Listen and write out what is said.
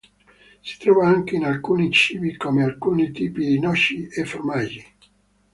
Si trova anche in alcuni cibi, come alcuni tipi di noci e formaggi.